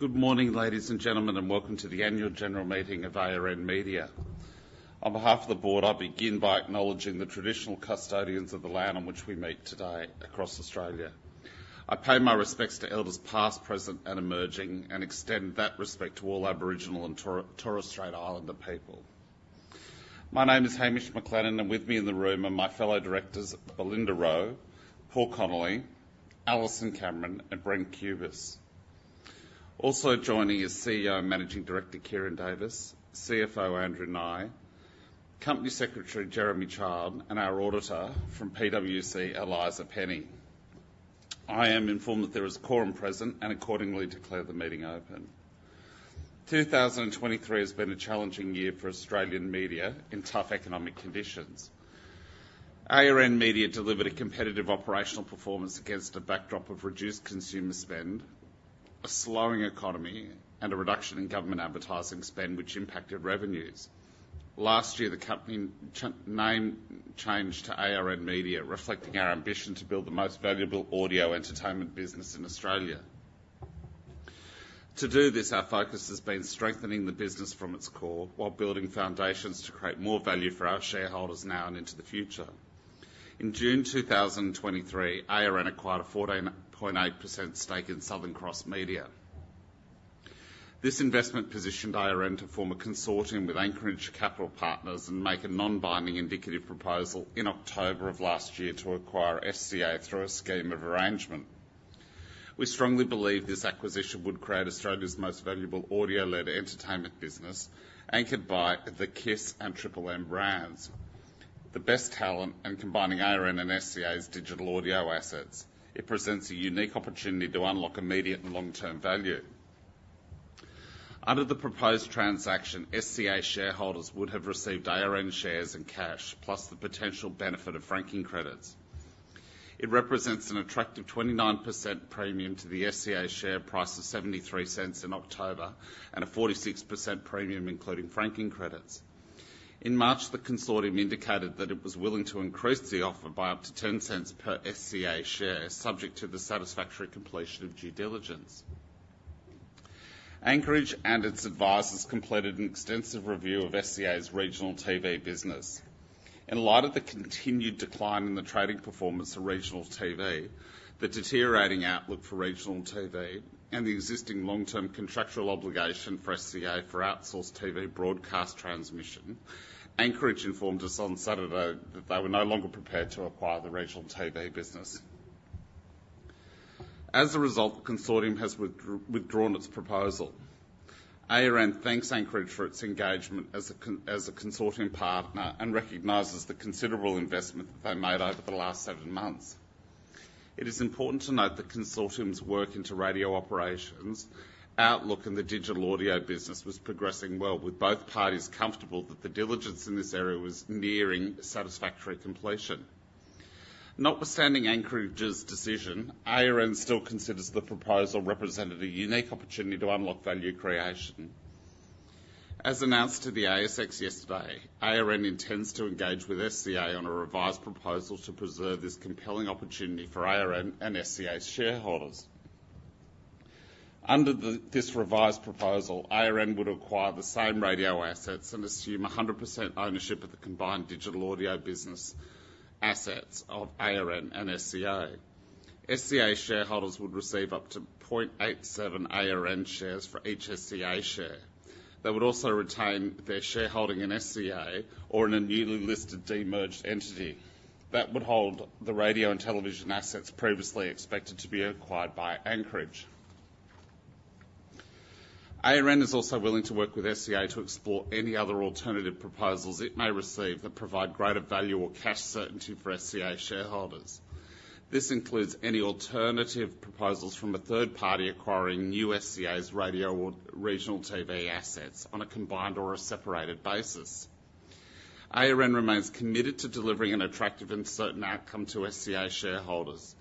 Good morning, ladies and gentlemen, and welcome to the annual general meeting of ARN Media. On behalf of the board, I begin by acknowledging the traditional custodians of the land on which we meet today across Australia. I pay my respects to elders past, present, and emerging, and extend that respect to all Aboriginal and Torres Strait Islander people. My name is Hamish McLennan, and with me in the room are my fellow directors, Belinda Rowe, Paul Connolly, Alison Cameron, and Brent Cubis. Also joining is CEO and Managing Director Ciaran Davis, CFO Andrew Nye, Company Secretary Jeremy Child, and our auditor from PwC, Eliza Penny. I am informed that there is a quorum present and accordingly declare the meeting open. 2023 has been a challenging year for Australian media in tough economic conditions. ARN Media delivered a competitive operational performance against a backdrop of reduced consumer spend, a slowing economy, and a reduction in government advertising spend which impacted revenues. Last year, the company name changed to ARN Media, reflecting our ambition to build the most valuable audio entertainment business in Australia. To do this, our focus has been strengthening the business from its core while building foundations to create more value for our shareholders now and into the future. In June 2023, ARN acquired a 14.8% stake in Southern Cross Media. This investment positioned ARN to form a consortium with Anchorage Capital Partners and make a non-binding indicative proposal in October of last year to acquire SCA through a scheme of arrangement. We strongly believe this acquisition would create Australia's most valuable audio-led entertainment business anchored by the KIIS and brands, the best talent in combining ARN and SCA's digital audio assets. It presents a unique opportunity to unlock immediate and long-term value. Under the proposed transaction, SCA shareholders would have received ARN shares in cash, plus the potential benefit of franking credits. It represents an attractive 29% premium to the SCA share price of 0.73 in October and a 46% premium including franking credits. In March, the consortium indicated that it was willing to increase the offer by up to 0.10 per SCA share subject to the satisfactory completion of due diligence. Anchorage and its advisors completed an extensive review of SCA's regional TV business. In light of the continued decline in the trading performance of regional TV, the deteriorating outlook for regional TV, and the existing long-term contractual obligation for SCA for outsourced TV broadcast transmission, Anchorage informed us on Saturday that they were no longer prepared to acquire the regional TV business. As a result, the consortium has withdrawn its proposal. ARN thanks Anchorage for its engagement as a consortium partner and recognizes the considerable investment that they made over the last seven months. It is important to note the consortium's work into radio operations, outlook, and the digital audio business was progressing well, with both parties comfortable that the diligence in this area was nearing satisfactory completion. Notwithstanding Anchorage's decision, ARN still considers the proposal represented a unique opportunity to unlock value creation. As announced to the ASX yesterday, ARN intends to engage with SCA on a revised proposal to preserve this compelling opportunity for ARN and SCA shareholders. Under this revised proposal, ARN would acquire the same radio assets and assume 100% ownership of the combined digital audio business assets of ARN and SCA. SCA shareholders would receive up to 0.87 ARN shares for each SCA share. They would also retain their shareholding in SCA or in a newly listed demerged entity that would hold the radio and television assets previously expected to be acquired by Anchorage. ARN is also willing to work with SCA to explore any other alternative proposals it may receive that provide greater value or cash certainty for SCA shareholders. This includes any alternative proposals from a third party acquiring New SCA radio or regional TV assets on a combined or a separated basis. ARN remains committed to delivering an attractive and certain outcome to SCA shareholders.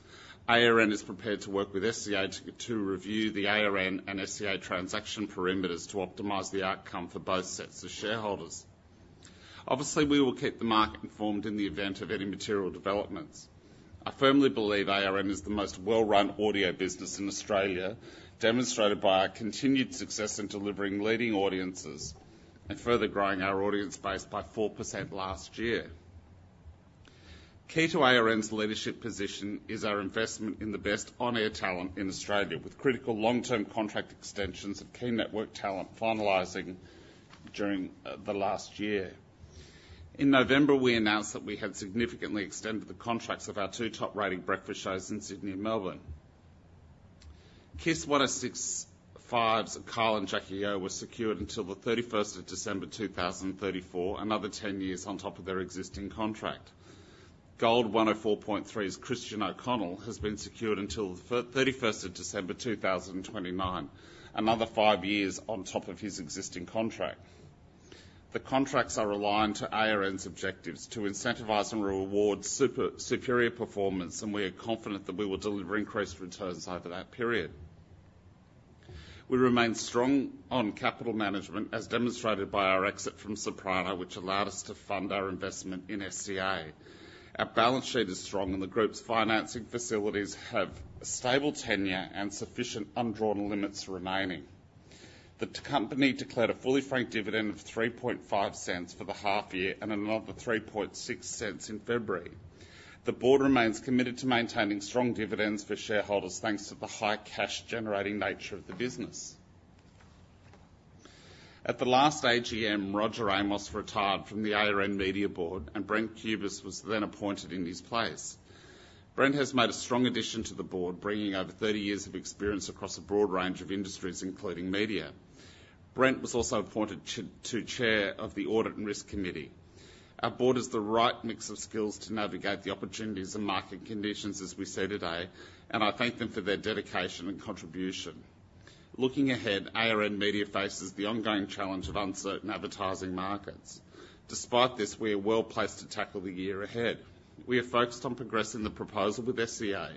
ARN is prepared to work with SCA to review the ARN and SCA transaction parameters to optimize the outcome for both sets of shareholders. Obviously, we will keep the market informed in the event of any material developments. I firmly believe ARN is the most well-run audio business in Australia, demonstrated by our continued success in delivering leading audiences and further growing our audience base by 4% last year. Key to ARN's leadership position is our investment in the best on-air talent in Australia, with critical long-term contract extensions of key network talent finalizing during the last year. In November, we announced that we had significantly extended the contracts of our two top-rating breakfast shows in Sydney and Melbourne. KIIS 1065's Kyle and Jackie O were secured until the 31st of December 2034, another 10 years on top of their existing contract. GOLD104.3's Christian O'Connell has been secured until the 31st of December 2029, another 5 years on top of his existing contract. The contracts are aligned to ARN's objectives to incentivize and reward superior performance, and we are confident that we will deliver increased returns over that period. We remain strong on capital management, as demonstrated by our exit from Soprano, which allowed us to fund our investment in SCA. Our balance sheet is strong, and the group's financing facilities have a stable tenure and sufficient undrawn limits remaining. The company declared a fully franked dividend of 0.035 for the half year and another 0.036 in February. The board remains committed to maintaining strong dividends for shareholders thanks to the high cash-generating nature of the business. At the last AGM, Roger Amos retired from the ARN Media Board, and Brent Cubis was then appointed in his place. Brent has made a strong addition to the board, bringing over 30 years of experience across a broad range of industries, including media. Brent was also appointed to Chair of the Audit and Risk Committee. Our board has the right mix of skills to navigate the opportunities and market conditions, as we say today, and I thank them for their dedication and contribution. Looking ahead, ARN Media faces the ongoing challenge of uncertain advertising markets. Despite this, we are well placed to tackle the year ahead. We are focused on progressing the proposal with SCA,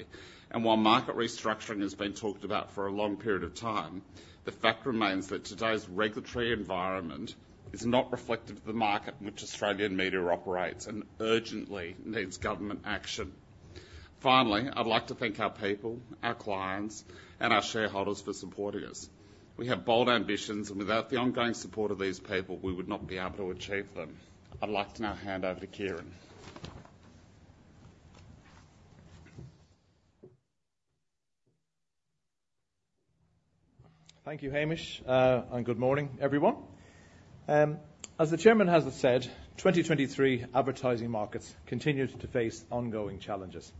and while market restructuring has been talked about for a long period of time, the fact remains that today's regulatory environment is not reflective of the market in which Australian media operates and urgently needs government action. Finally, I'd like to thank our people, our clients, and our shareholders for supporting us. We have bold ambitions, and without the ongoing support of these people, we would not be able to achieve them. I'd like to now hand over to Ciaran. Thank you, Hamish, and good morning, everyone. As the Chairman has said, 2023 advertising markets continue to face ongoing challenges.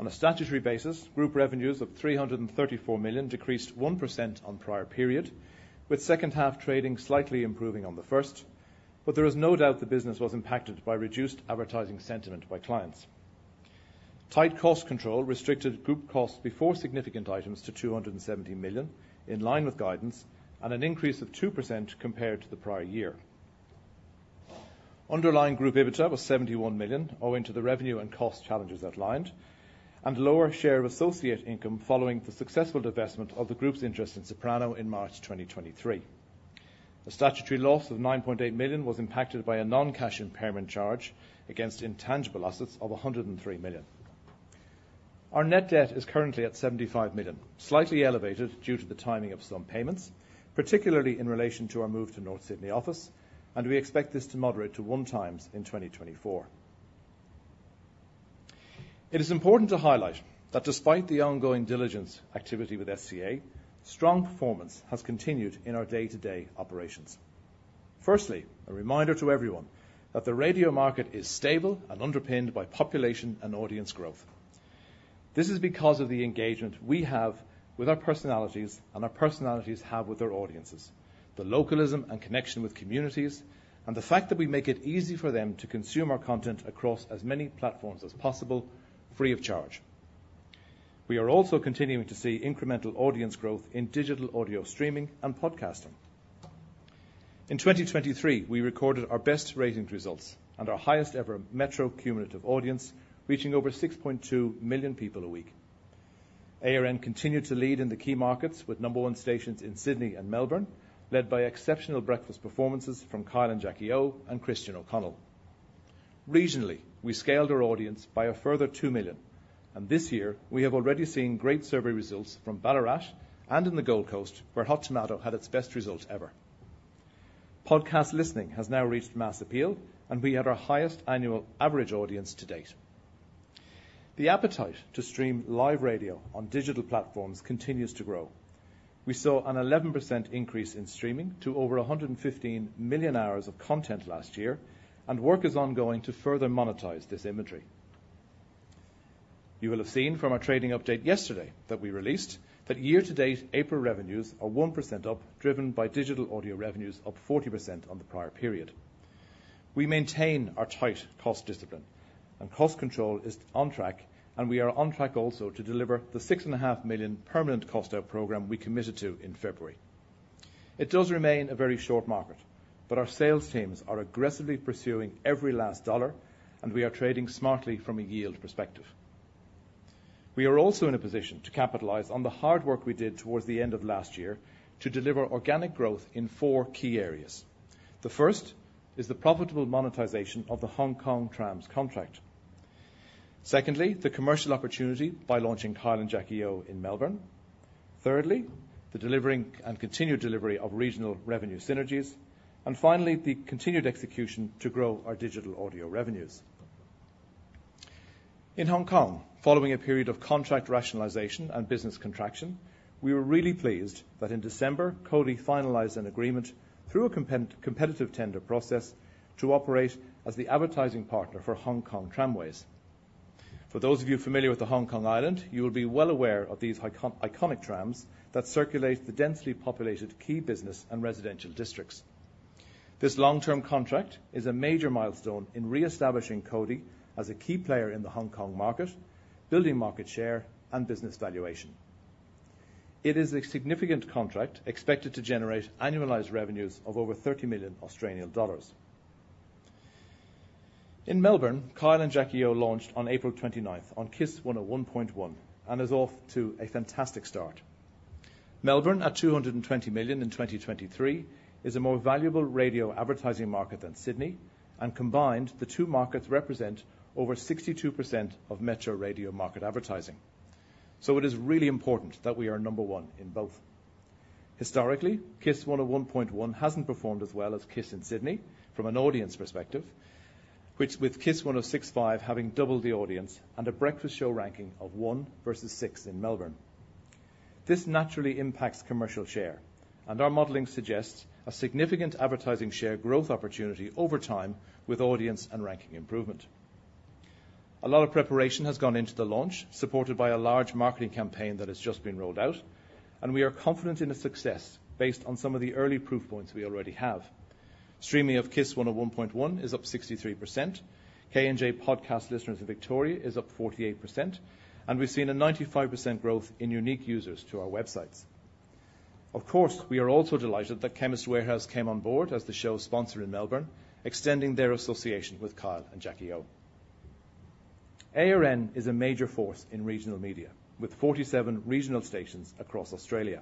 On a statutory basis, group revenues of 334 million decreased 1% on prior period, with second-half trading slightly improving on the first, but there is no doubt the business was impacted by reduced advertising sentiment by clients. Tight cost control restricted group costs before significant items to 270 million, in line with guidance, and an increase of 2% compared to the prior year. Underlying group EBITDA was 71 million, owing to the revenue and cost challenges outlined and lower share of associate income following the successful divestment of the group's interest in Soprano in March 2023. A statutory loss of 9.8 million was impacted by a non-cash impairment charge against intangible assets of 103 million. Our net debt is currently at 75 million, slightly elevated due to the timing of some payments, particularly in relation to our move to North Sydney office, and we expect this to moderate to 1x in 2024. It is important to highlight that despite the ongoing diligence activity with SCA, strong performance has continued in our day-to-day operations. Firstly, a reminder to everyone that the radio market is stable and underpinned by population and audience growth. This is because of the engagement we have with our personalities and our personalities have with their audiences, the localism and connection with communities, and the fact that we make it easy for them to consume our content across as many platforms as possible free of charge. We are also continuing to see incremental audience growth in digital audio streaming and podcasting. In 2023, we recorded our best ratings results and our highest-ever metro cumulative audience, reaching over 6.2 million people a week. ARN continued to lead in the key markets with number one stations in Sydney and Melbourne, led by exceptional breakfast performances from Kyle and Jackie O and Christian O'Connell. Regionally, we scaled our audience by a further 2 million, and this year, we have already seen great survey results from Ballarat and in the Gold Coast, where Hot Tomato had its best result ever. Podcast listening has now reached mass appeal, and we had our highest annual average audience to date. The appetite to stream live radio on digital platforms continues to grow. We saw an 11% increase in streaming to over 115 million hours of content last year, and work is ongoing to further monetize this imagery. You will have seen from our trading update yesterday that we released that year-to-date April revenues are 1% up, driven by digital audio revenues up 40% on the prior period. We maintain our tight cost discipline, and cost control is on track, and we are on track also to deliver the 6.5 million permanent cost-out program we committed to in February. It does remain a very short market, but our sales teams are aggressively pursuing every last dollar, and we are trading smartly from a yield perspective. We are also in a position to capitalize on the hard work we did towards the end of last year to deliver organic growth in four key areas. The first is the profitable monetization of the Hong Kong Trams contract. Secondly, the commercial opportunity by launching Kyle and Jackie O in Melbourne. Thirdly, the delivering and continued delivery of regional revenue synergies. Finally, the continued execution to grow our digital audio revenues. In Hong Kong, following a period of contract rationalization and business contraction, we were really pleased that in December, Cody finalized an agreement through a competitive tender process to operate as the advertising partner for Hong Kong Tramways. For those of you familiar with the Hong Kong Island, you will be well aware of these iconic trams that circulate the densely populated key business and residential districts. This long-term contract is a major milestone in reestablishing Cody as a key player in the Hong Kong market, building market share, and business valuation. It is a significant contract expected to generate annualized revenues of over 30 million Australian dollars. In Melbourne, Kyle and Jackie O launched on April 29th on KIIS 101.1 and is off to a fantastic start. Melbourne, at 220 million in 2023, is a more valuable radio advertising market than Sydney, and combined, the two markets represent over 62% of metro radio market advertising. So it is really important that we are number one in both. Historically, KIIS 101.1 hasn't performed as well as KIIS in Sydney from an audience perspective, with KIIS 1065 having doubled the audience and a breakfast show ranking of one versus six in Melbourne. This naturally impacts commercial share, and our modeling suggests a significant advertising share growth opportunity over time with audience and ranking improvement. A lot of preparation has gone into the launch, supported by a large marketing campaign that has just been rolled out, and we are confident in a success based on some of the early proof points we already have. Streaming of KIIS 101.1 is up 63%. KIIS podcast listeners in Victoria are up 48%, and we've seen a 95% growth in unique users to our websites. Of course, we are also delighted that Chemist Warehouse came on board as the show's sponsor in Melbourne, extending their association with Kyle and Jackie O. ARN is a major force in regional media, with 47 regional stations across Australia.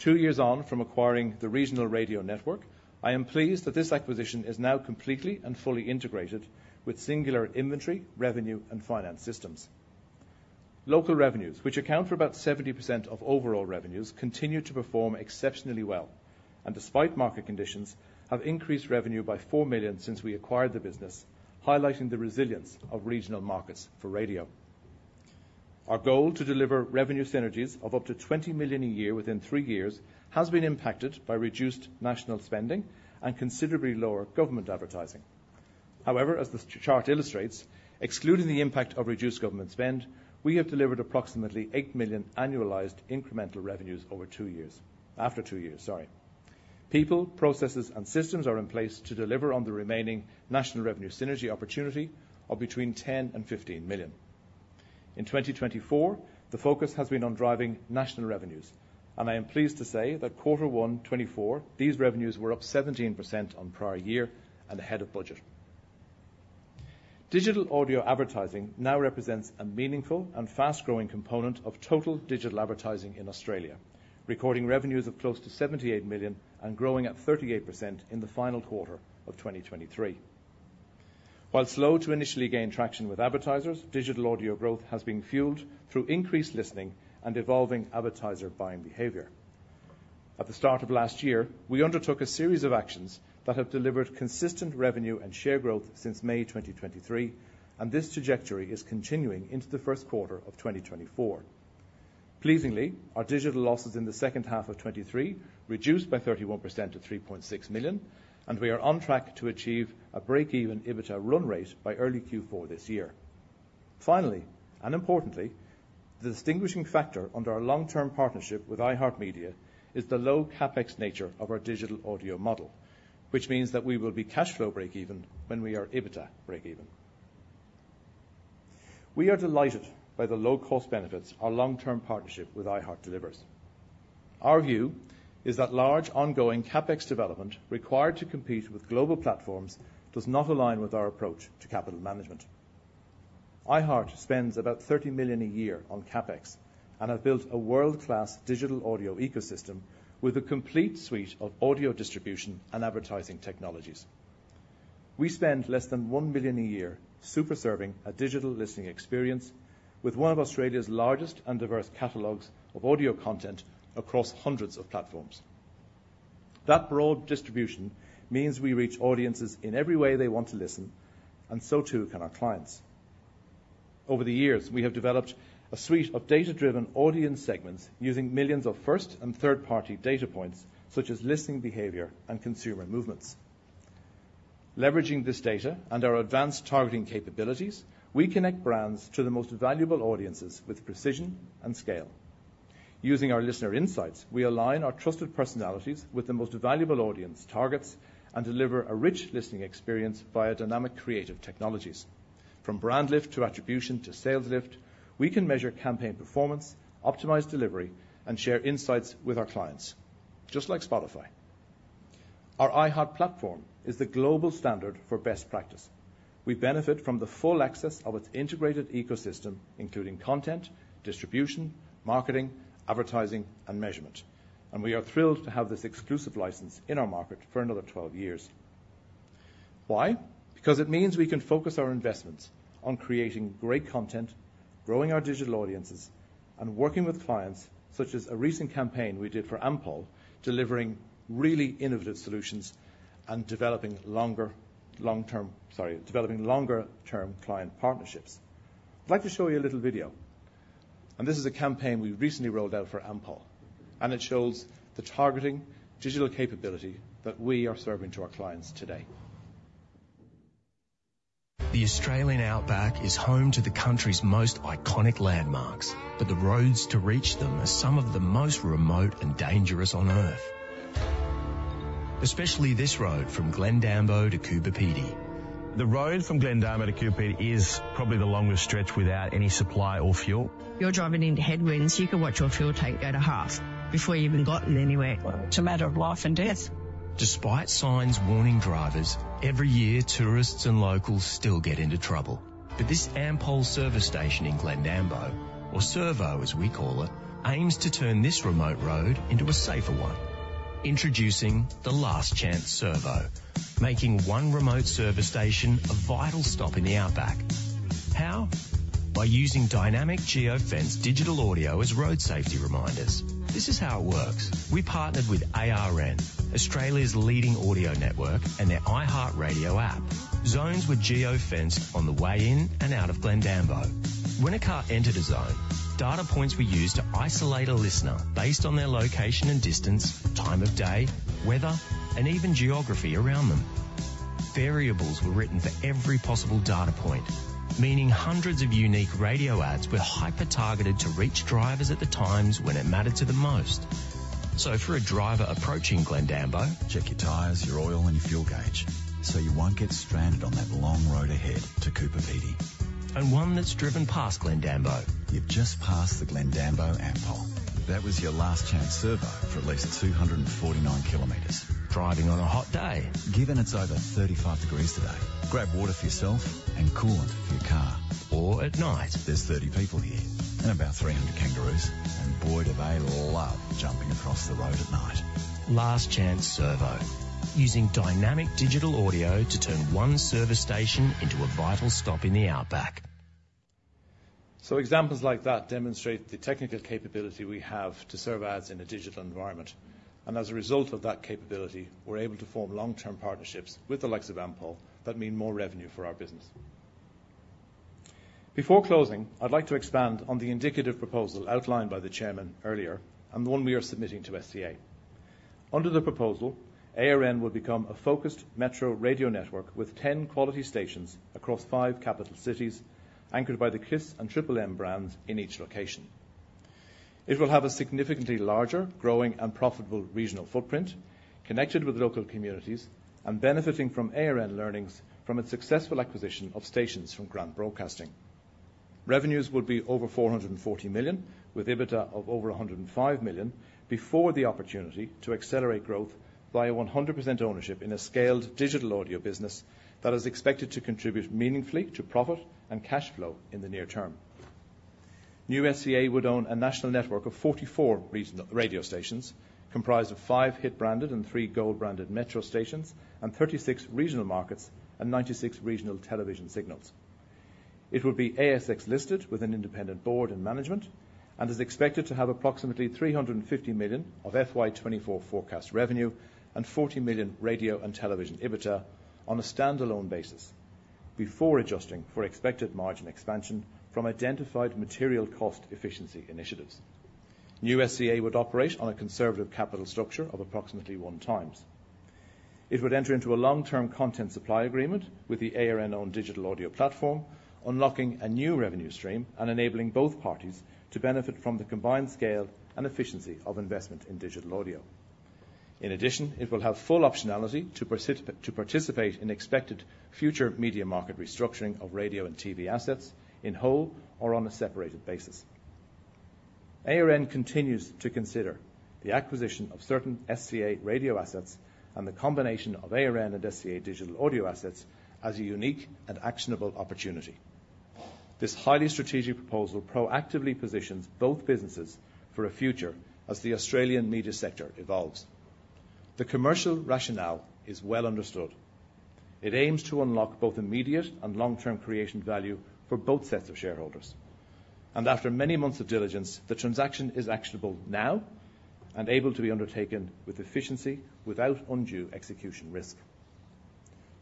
Two years on from acquiring the regional radio network, I am pleased that this acquisition is now completely and fully integrated with singular inventory, revenue, and finance systems. Local revenues, which account for about 70% of overall revenues, continue to perform exceptionally well and, despite market conditions, have increased revenue by 4 million since we acquired the business, highlighting the resilience of regional markets for radio. Our goal to deliver revenue synergies of up to 20 million a year within three years has been impacted by reduced national spending and considerably lower government advertising. However, as the chart illustrates, excluding the impact of reduced government spend, we have delivered approximately 8 million annualized incremental revenues over two years after two years, sorry. People, processes, and systems are in place to deliver on the remaining national revenue synergy opportunity of between 10 million and 15 million. In 2024, the focus has been on driving national revenues, and I am pleased to say that quarter one 2024, these revenues were up 17% on prior year and ahead of budget. Digital audio advertising now represents a meaningful and fast-growing component of total digital advertising in Australia, recording revenues of close to 78 million and growing at 38% in the final quarter of 2023. While slow to initially gain traction with advertisers, digital audio growth has been fueled through increased listening and evolving advertiser buying behavior. At the start of last year, we undertook a series of actions that have delivered consistent revenue and share growth since May 2023, and this trajectory is continuing into the first quarter of 2024. Pleasingly, our digital losses in the second half of 2023 reduced by 31% to 3.6 million, and we are on track to achieve a break-even EBITDA run rate by early Q4 this year. Finally, and importantly, the distinguishing factor under our long-term partnership with iHeartMedia is the low-CapEx nature of our digital audio model, which means that we will be cash flow break-even when we are EBITDA break-even. We are delighted by the low-cost benefits our long-term partnership with iHeart delivers. Our view is that large, ongoing CapEx development required to compete with global platforms does not align with our approach to capital management. iHeart spends about 30 million a year on CapEx and has built a world-class digital audio ecosystem with a complete suite of audio distribution and advertising technologies. We spend less than 1 million a year superserving a digital listening experience with one of Australia's largest and diverse catalogs of audio content across hundreds of platforms. That broad distribution means we reach audiences in every way they want to listen, and so too can our clients. Over the years, we have developed a suite of data-driven audience segments using millions of first and third-party data points such as listening behavior and consumer movements. Leveraging this data and our advanced targeting capabilities, we connect brands to the most valuable audiences with precision and scale. Using our listener insights, we align our trusted personalities with the most valuable audience targets and deliver a rich listening experience via dynamic creative technologies. From brand lift to attribution to sales lift, we can measure campaign performance, optimize delivery, and share insights with our clients, just like Spotify. Our iHeart platform is the global standard for best practice. We benefit from the full access of its integrated ecosystem, including content, distribution, marketing, advertising, and measurement, and we are thrilled to have this exclusive licence in our market for another 12 years. Why? Because it means we can focus our investments on creating great content, growing our digital audiences, and working with clients, such as a recent campaign we did for Ampol, delivering really innovative solutions and developing longer-term client partnerships. I'd like to show you a little video. This is a campaign we recently rolled out for Ampol, and it shows the targeting digital capability that we are serving to our clients today. The Australian Outback is home to the country's most iconic landmarks, but the roads to reach them are some of the most remote and dangerous on Earth, especially this road from Glendambo to Coober Pedy. The road from Glendambo to Coober Pedy is probably the longest stretch without any supply or fuel. You're driving into headwinds. You could watch your fuel tank go to half before you've even gotten anywhere. Well, it's a matter of life and death. Despite signs warning drivers, every year, tourists and locals still get into trouble. But this Ampol service station in Glendambo, or Servo as we call it, aims to turn this remote road into a safer one, introducing the Last Chance Servo, making one remote service station a vital stop in the Outback. How? By using dynamic geofenced digital audio as road safety reminders. This is how it works. We partnered with ARN, Australia's leading audio network, and their iHeartRadio app, zones with geofenced on the way in and out of Glendambo. When a car entered a zone, data points were used to isolate a listener based on their location and distance, time of day, weather, and even geography around them. Variables were written for every possible data point, meaning hundreds of unique radio ads were hyper-targeted to reach drivers at the times when it mattered to the most. So for a driver approaching Glendambo. Check your tires, your oil, and your fuel gauge so you won't get stranded on that long road ahead to Coober Pedy. One that's driven past Glendambo. You've just passed the Glendambo Ampol. That was your Last Chance Servo for at least 249 km. Driving on a hot day. Given it's over 35 degrees today, grab water for yourself and coolant for your car. Or at night. There's 30 people here and about 300 kangaroos, and boy do they love jumping across the road at night. Last Chance Servo, using dynamic digital audio to turn one service station into a vital stop in the Outback. So examples like that demonstrate the technical capability we have to serve ads in a digital environment. And as a result of that capability, we're able to form long-term partnerships with the likes of Ampol that mean more revenue for our business. Before closing, I'd like to expand on the indicative proposal outlined by the chairman earlier and the one we are submitting to SCA. Under the proposal, ARN will become a focused metro radio network with 10 quality stations across five capital cities anchored by the KIIS and brands in each location. It will have a significantly larger, growing, and profitable regional footprint, connected with local communities, and benefiting from ARN learnings from its successful acquisition of stations from Grand Broadcasting. Revenues would be over 440 million, with EBITDA of over 105 million, before the opportunity to accelerate growth via 100% ownership in a scaled digital audio business that is expected to contribute meaningfully to profit and cash flow in the near term. New SCA would own a national network of 44 radio stations comprised of five Hit-branded and three Gold-branded metro stations, and 36 regional markets and 96 regional television signals. It would be ASX-listed with an independent board and management, and is expected to have approximately 350 million of FY2024 forecast revenue and 40 million radio and television EBITDA on a standalone basis before adjusting for expected margin expansion from identified material cost efficiency initiatives. New SCA would operate on a conservative capital structure of approximately 1x. It would enter into a long-term content supply agreement with the ARN-owned digital audio platform, unlocking a new revenue stream and enabling both parties to benefit from the combined scale and efficiency of investment in digital audio. In addition, it will have full optionality to participate in expected future media market restructuring of radio and TV assets in whole or on a separated basis. ARN continues to consider the acquisition of certain SCA radio assets and the combination of ARN and SCA digital audio assets as a unique and actionable opportunity. This highly strategic proposal proactively positions both businesses for a future as the Australian media sector evolves. The commercial rationale is well understood. It aims to unlock both immediate and long-term value creation for both sets of shareholders. After many months of diligence, the transaction is actionable now and able to be undertaken with efficiency without undue execution risk.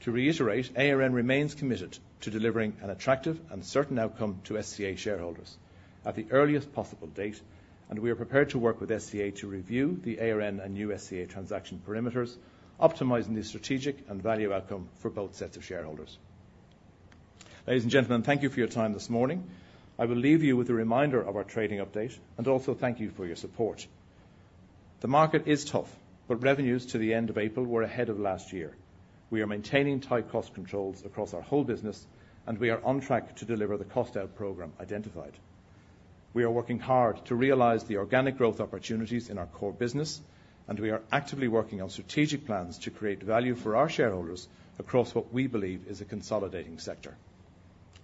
To reiterate, ARN remains committed to delivering an attractive and certain outcome to SCA shareholders at the earliest possible date, and we are prepared to work with SCA to review the ARN and new SCA transaction parameters, optimizing the strategic and value outcome for both sets of shareholders. Ladies and gentlemen, thank you for your time this morning. I will leave you with a reminder of our trading update and also thank you for your support. The market is tough, but revenues to the end of April were ahead of last year. We are maintaining tight cost controls across our whole business, and we are on track to deliver the cost-out program identified. We are working hard to realize the organic growth opportunities in our core business, and we are actively working on strategic plans to create value for our shareholders across what we believe is a consolidating sector.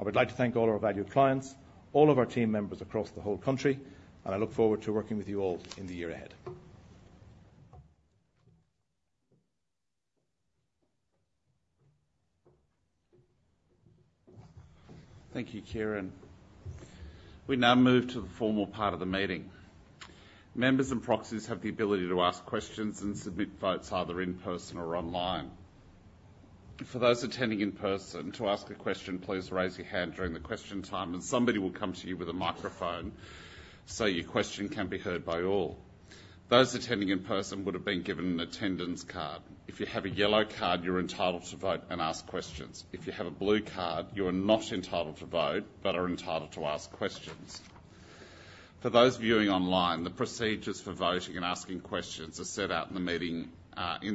I would like to thank all our valued clients, all of our team members across the whole country, and I look forward to working with you all in the year ahead. Thank you, Ciaran. We now move to the formal part of the meeting. Members and proxies have the ability to ask questions and submit votes either in person or online. For those attending in person, to ask a question, please raise your hand during the question time, and somebody will come to you with a microphone so your question can be heard by all. Those attending in person would have been given an attendance card. If you have a yellow card, you're entitled to vote and ask questions. If you have a blue card, you are not entitled to vote but are entitled to ask questions. For those viewing online, the procedures for voting and asking questions are set out in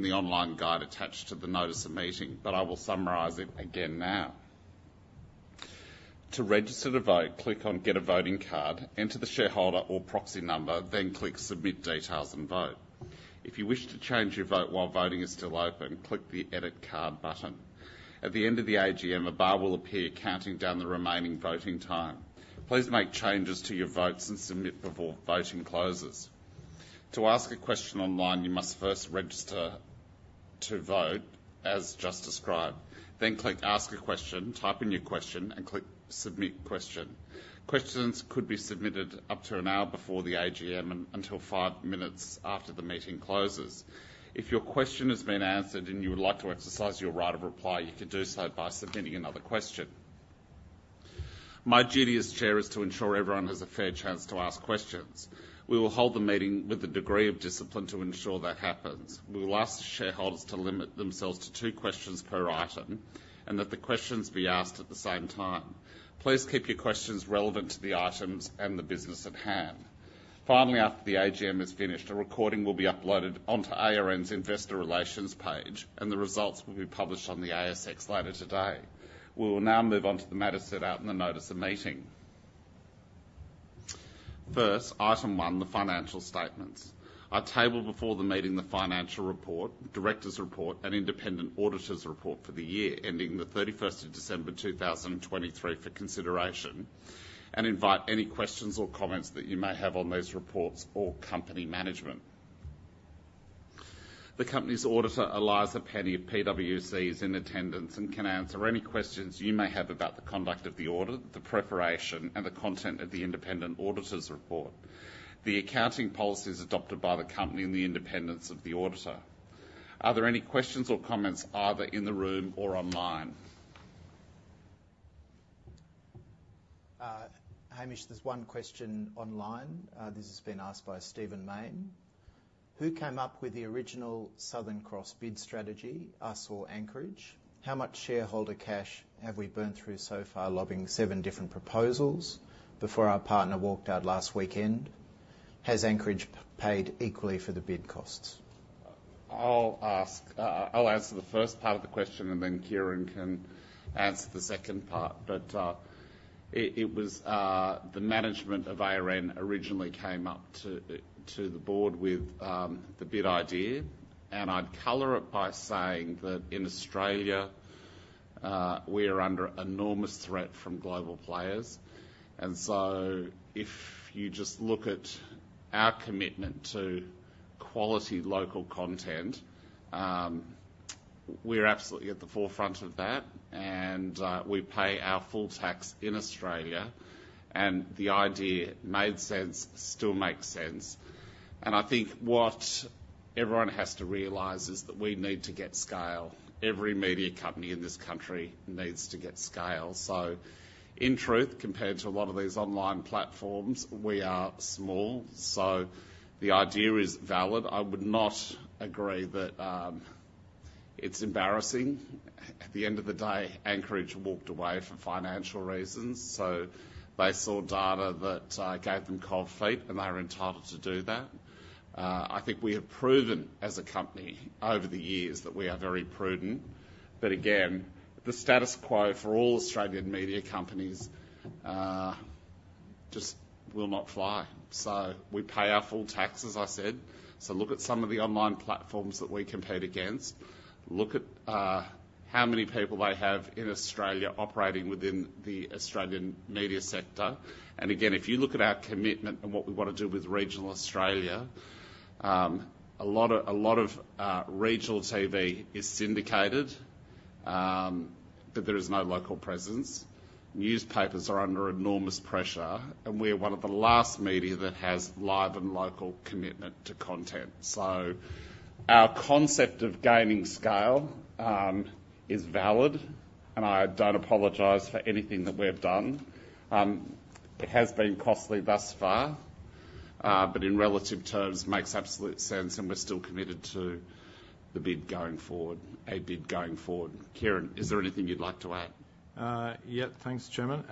the online guide attached to the notice of meeting, but I will summarize it again now. To register to vote, click on Get a Voting Card, enter the shareholder or proxy number, then click Submit Details and Vote. If you wish to change your vote while voting is still open, click the Edit Card button. At the end of the AGM, a bar will appear counting down the remaining voting time. Please make changes to your votes and submit before voting closes. To ask a question online, you must first register to vote, as just described, then click Ask a Question, type in your question, and click Submit Question. Questions could be submitted up to an hour before the AGM and until five minutes after the meeting closes. If your question has been answered and you would like to exercise your right of reply, you can do so by submitting another question. My duty as chair is to ensure everyone has a fair chance to ask questions. We will hold the meeting with the degree of discipline to ensure that happens. We will ask the shareholders to limit themselves to two questions per item and that the questions be asked at the same time. Please keep your questions relevant to the items and the business at hand. Finally, after the AGM is finished, a recording will be uploaded onto ARN's Investor Relations page, and the results will be published on the ASX later today. We will now move onto the matters set out in the notice of meeting. First, item one, the financial statements. I table before the meeting the financial report, director's report, and independent auditor's report for the year ending the 31st of December 2023 for consideration, and invite any questions or comments that you may have on these reports or company management. The company's auditor, Eliza Penny of PwC, is in attendance and can answer any questions you may have about the conduct of the audit, the preparation, and the content of the independent auditor's report, the accounting policies adopted by the company, and the independence of the auditor. Are there any questions or comments either in the room or online? Hamish, there's one question online. This has been asked by Stephen Mayne. Who came up with the original Southern Cross bid strategy, us or Anchorage? How much shareholder cash have we burned through so far lobbing seven different proposals before our partner walked out last weekend? Has Anchorage paid equally for the bid costs? I'll answer the first part of the question, and then Ciaran can answer the second part. It was the management of ARN that originally came up to the board with the bid idea, and I'd color it by saying that in Australia, we are under enormous threat from global players. So if you just look at our commitment to quality local content, we're absolutely at the forefront of that, and we pay our full tax in Australia. The idea made sense. Still makes sense. I think what everyone has to realize is that we need to get scale. Every media company in this country needs to get scale. In truth, compared to a lot of these online platforms, we are small. The idea is valid. I would not agree that it's embarrassing. At the end of the day, Anchorage walked away for financial reasons. So they saw data that gave them cold feet, and they're entitled to do that. I think we have proven as a company over the years that we are very prudent. But again, the status quo for all Australian media companies just will not fly. So we pay our full taxes, I said. So look at some of the online platforms that we compete against. Look at how many people they have in Australia operating within the Australian media sector. And again, if you look at our commitment and what we want to do with regional Australia, a lot of regional TV is syndicated, but there is no local presence. Newspapers are under enormous pressure, and we are one of the last media that has live and local commitment to content. So our concept of gaining scale is valid, and I don't apologize for anything that we have done. It has been costly thus far, but in relative terms, makes absolute sense, and we're still committed to a bid going forward. Ciaran, is there anything you'd like to add? Yep, thanks, Chairman.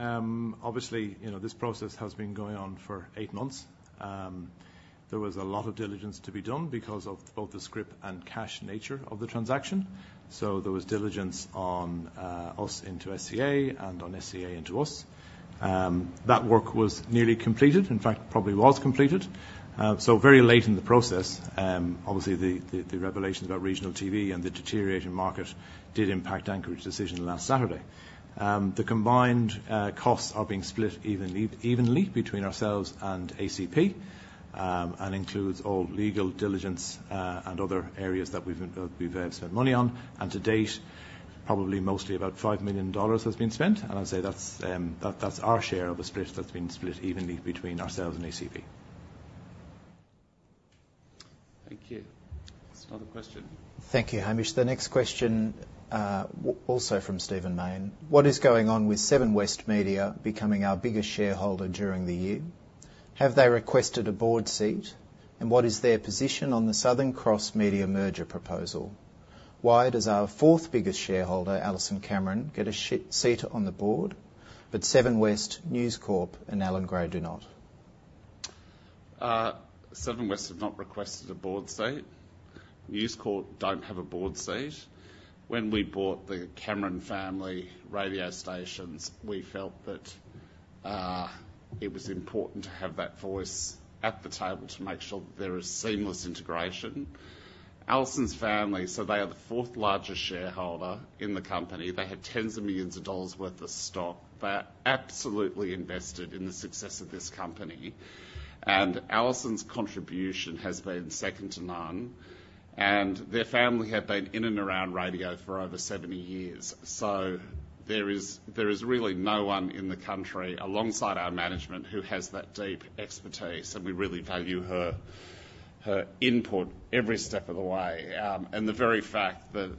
Obviously, this process has been going on for eight months. There was a lot of diligence to be done because of both the scrip and cash nature of the transaction. So there was diligence on us into SCA and on SCA into us. That work was nearly completed. In fact, probably was completed. So very late in the process, obviously, the revelations about regional TV and the deteriorating market did impact Anchorage's decision last Saturday. The combined costs are being split evenly between ourselves and Anchorage and includes all legal diligence and other areas that we've spent money on. And to date, probably mostly about 5 million dollars has been spent. And I'd say that's our share of a split that's been split evenly between ourselves and Anchorage. Thank you. Another question. Thank you, Hamish. The next question, also from Stephen Mayne. What is going on with Seven West Media becoming our biggest shareholder during the year? Have they requested a board seat, and what is their position on the Southern Cross Media merger proposal? Why does our fourth biggest shareholder, Alison Cameron, get a seat on the board, but Seven West, News Corp, and Allan Gray do not? Seven West have not requested a board seat. News Corp don't have a board seat. When we bought the Cameron family radio stations, we felt that it was important to have that voice at the table to make sure that there is seamless integration. Alison's family, so they are the fourth largest shareholder in the company. They have tens of millions AUD worth of stock. They're absolutely invested in the success of this company. Alison's contribution has been second to none. Their family have been in and around radio for over 70 years. There is really no one in the country, alongside our management, who has that deep expertise. We really value her input every step of the way. The very fact that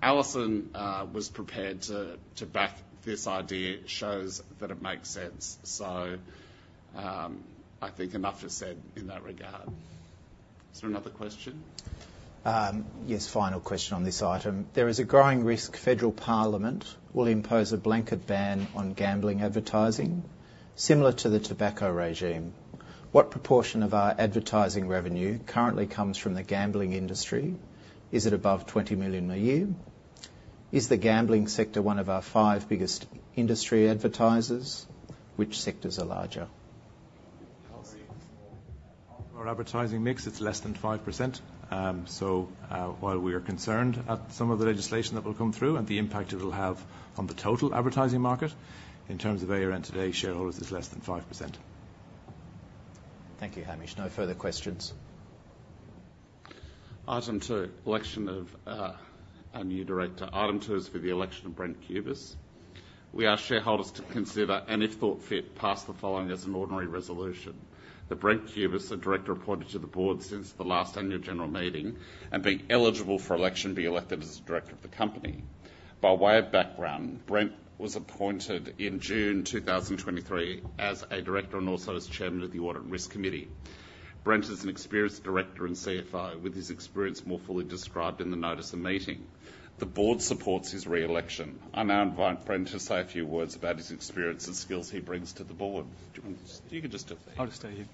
Alison was prepared to back this idea shows that it makes sense. Enough is said in that regard. Is there another question? Yes, final question on this item. There is a growing risk federal Parliament will impose a blanket ban on gambling advertising, similar to the tobacco regime. What proportion of our advertising revenue currently comes from the gambling industry? Is it above 20 million a year? Is the gambling sector one of our five biggest industry advertisers? Which sectors are larger? Our advertising mix, it's less than 5%. So while we are concerned at some of the legislation that will come through and the impact it will have on the total advertising market, in terms of ARN today, shareholders is less than 5%. Thank you, Hamish. No further questions. Item two, election of a new director. Item two is for the election of Brent Cubis. We ask shareholders to consider and, if thought fit, pass the following as an ordinary resolution: that Brent Cubis, a director appointed to the board since the last annual general meeting, and being eligible for election, be elected as director of the company. By way of background, Brent was appointed in June 2023 as a director and also as chairman of the Audit and Risk Committee. Brent is an experienced director and CFO, with his experience more fully described in the notice of meeting. The board supports his re-election. I now invite Brent to say a few words about his experience and skills he brings to the board. Do you want to? You can just step there. I'll just stay here.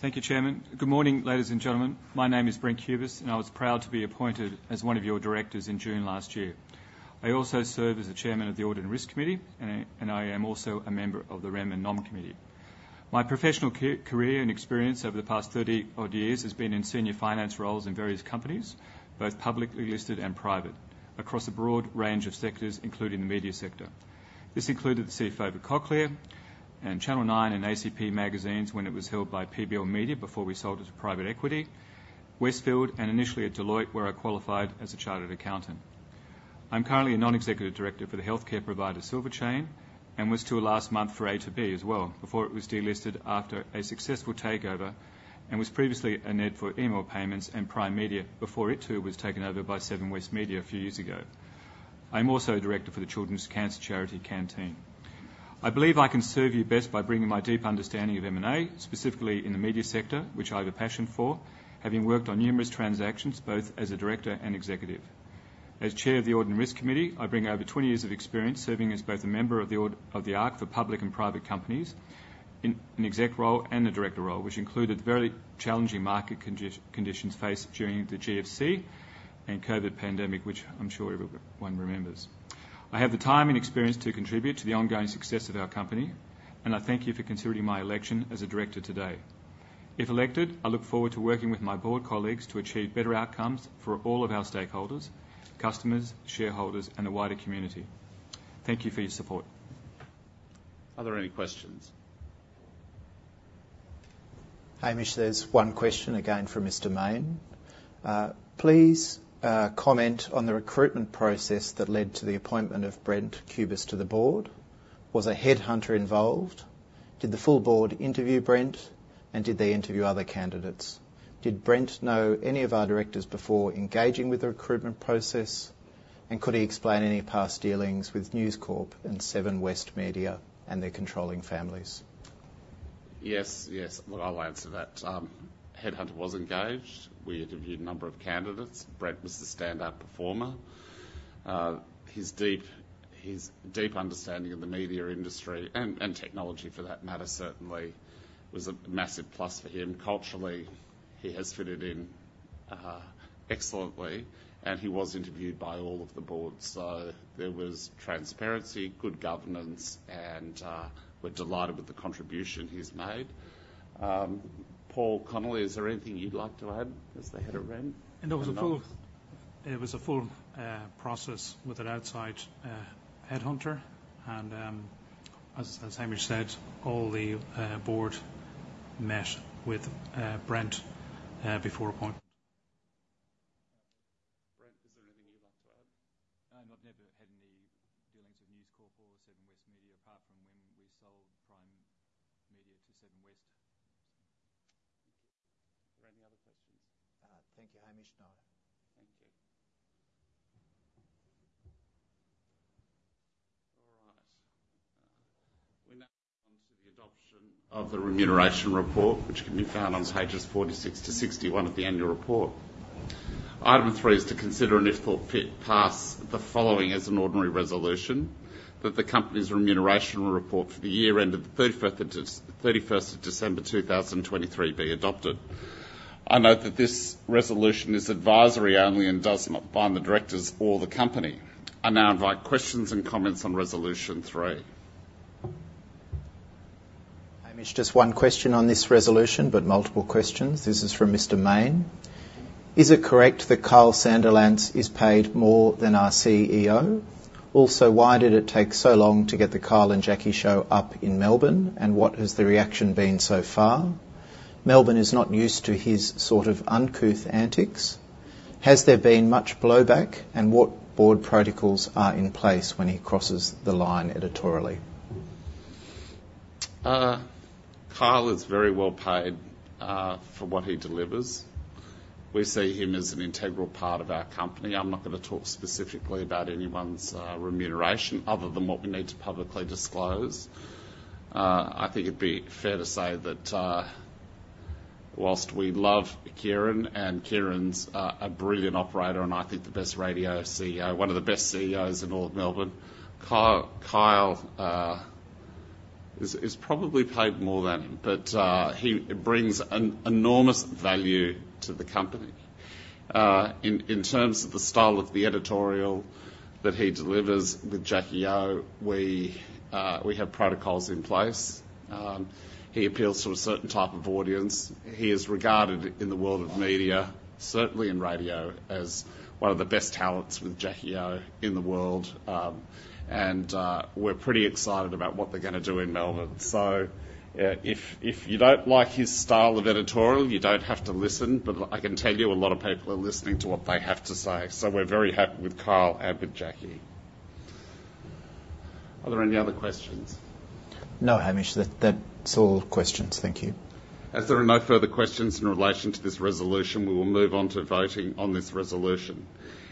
Thank you, Chairman. Good morning, ladies and gentlemen. My name is Brent Cubis, and I was proud to be appointed as one of your directors in June last year. I also serve as the chairman of the Audit and Risk Committee, and I am also a member of the REM and NOM Committee. My professional career and experience over the past 30-odd years has been in senior finance roles in various companies, both publicly listed and private, across a broad range of sectors, including the media sector. This included the CFO for Cochlear and Channel 9 and ACP Magazines when it was held by PBL Media before we sold it to private equity, Westfield, and initially at Deloitte, where I qualified as a chartered accountant. I'm currently a non-executive director for the healthcare provider Silver Chain and was till last month for A2B as well, before it was delisted after a successful takeover and was previously a NED for EML Payments and Prime Media before it, too, was taken over by Seven West Media a few years ago. I'm also director for the children's cancer charity Canteen. I believe I can serve you best by bringing my deep understanding of M&A, specifically in the media sector, which I have a passion for, having worked on numerous transactions both as a director and executive. As Chair of the Audit and Risk Committee, I bring over 20 years of experience serving as both a member of the ARC for public and private companies, an exec role, and a director role, which included very challenging market conditions faced during the GFC and COVID pandemic, which I'm sure everyone remembers. I have the time and experience to contribute to the ongoing success of our company, and I thank you for considering my election as a director today. If elected, I look forward to working with my board colleagues to achieve better outcomes for all of our stakeholders, customers, shareholders, and the wider community. Thank you for your support. Are there any questions? Hamish, there's one question again from Mr. Mayne. Please comment on the recruitment process that led to the appointment of Brent Cubis to the board. Was a headhunter involved? Did the full board interview Brent, and did they interview other candidates? Did Brent know any of our directors before engaging with the recruitment process, and could he explain any past dealings with News Corp and Seven West Media and their controlling families? Yes, yes. Well, I'll answer that. Headhunter was engaged. We interviewed a number of candidates. Brent was the standout performer. His deep understanding of the media industry and technology, for that matter, certainly, was a massive plus for him. Culturally, he has fitted in excellently, and he was interviewed by all of the boards. So there was transparency, good governance, and we're delighted with the contribution he's made. Paul Connolly, is there anything you'd like to add as the head of REM? That was a full process with an outside headhunter. And as Hamish said, all the board met with Brent before appointment. Brent, is there anything you'd like to add? I've never had any dealings with News Corp or Seven West Media apart from when we sold Prime Media to Seven West. Thank you. Are there any other questions? Thank you, Hamish. No. Thank you. All right. We now move on to the adoption of the remuneration report, which can be found on pages 46-61 of the annual report. Item three is to consider and, if thought fit, pass the following as an ordinary resolution: that the company's remuneration report for the year ended the 31st of December 2023 be adopted. I note that this resolution is advisory only and does not bind the directors or the company. I now invite questions and comments on resolution three. Hamish, just one question on this resolution, but multiple questions. This is from Mr. Mayne. Is it correct that Kyle Sandilands is paid more than our CEO? Also, why did it take so long to get the Kyle and Jackie O Show up in Melbourne, and what has the reaction been so far? Melbourne is not used to his sort of uncouth antics. Has there been much blowback, and what board protocols are in place when he crosses the line editorially? Carl is very well paid for what he delivers. We see him as an integral part of our company. I'm not going to talk specifically about anyone's remuneration other than what we need to publicly disclose. I think it'd be fair to say that whilst we love Ciaran and Ciaran's a brilliant operator and I think the best radio CEO, one of the best CEOs in all of Melbourne, Carl is probably paid more than him, but he brings enormous value to the company. In terms of the style of the editorial that he delivers with Jackie O, we have protocols in place. He appeals to a certain type of audience. He is regarded in the world of media, certainly in radio, as one of the best talents with Jackie O in the world. We're pretty excited about what they're going to do in Melbourne. So if you don't like his style of editorial, you don't have to listen, but I can tell you a lot of people are listening to what they have to say. So we're very happy with Kyle and with Jackie. Are there any other questions? No, Hamish. That's all questions. Thank you. As there are no further questions in relation to this resolution, we will move on to voting on this resolution.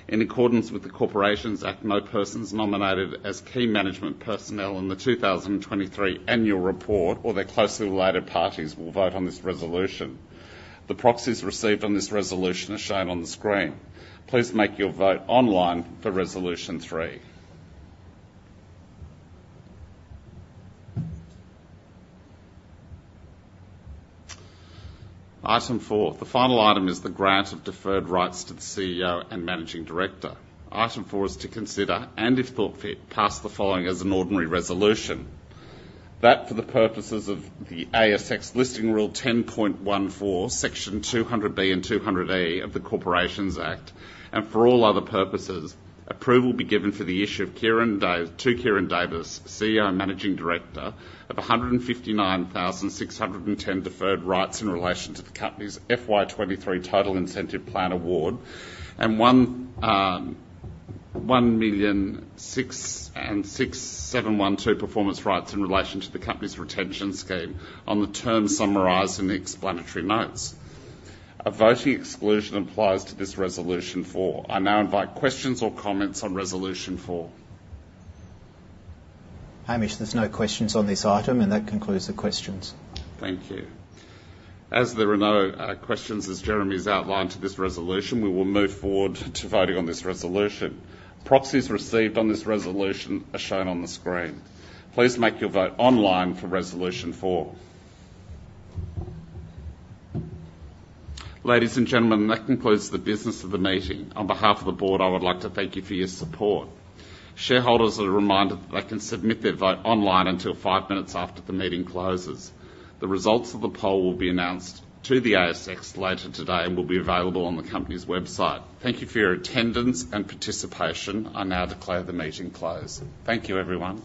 In accordance with the Corporations Act, no persons nominated as key management personnel in the 2023 annual report or their closely related parties will vote on this resolution. The proxies received on this resolution are shown on the screen. Please make your vote online for resolution three. Item four. The final item is the grant of deferred rights to the CEO and Managing Director. Item four is to consider and, if thought fit, pass the following as an ordinary resolution: that for the purposes of the ASX Listing Rule 10.14, Section 200B and 200E of the Corporations Act, and for all other purposes, approval be given for the issue of to Ciaran Davis, CEO and Managing Director, of 159,610 deferred rights in relation to the company's FY23 total incentive plan award and 167,120 performance rights in relation to the company's retention scheme on the terms summarised in the explanatory notes. A voting exclusion applies to this resolution four. I now invite questions or comments on resolution four. Hamish, there's no questions on this item, and that concludes the questions. Thank you. As there are no questions, as Jeremy's outlined to this resolution, we will move forward to voting on this resolution. Proxies received on this resolution are shown on the screen. Please make your vote online for resolution four. Ladies and gentlemen, that concludes the business of the meeting. On behalf of the board, I would like to thank you for your support. Shareholders are reminded that they can submit their vote online until five minutes after the meeting closes. The results of the poll will be announced to the ASX later today and will be available on the company's website. Thank you for your attendance and participation. I now declare the meeting closed. Thank you, everyone.